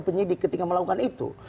penyidik ketika melakukan itu